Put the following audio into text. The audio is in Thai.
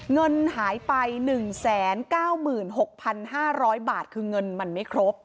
เงินหายไป๑๙๖๕๐๐บาทคือเงินมันไม่ครบ